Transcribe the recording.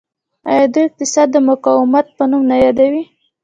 آیا دوی اقتصاد د مقاومت په نوم نه یادوي؟